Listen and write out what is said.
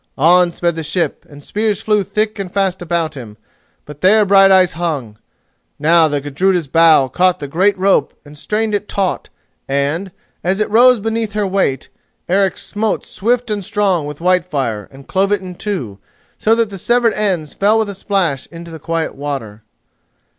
On sped the ship and spears flew thick and fast about him, but there Brighteyes hung. Now the Gudruda's bow caught the great rope and strained it taut and, as it rose beneath her weight, Eric smote swift and strong with Whitefire and clove it in two, so that the severed ends fell with a splash into the quiet water.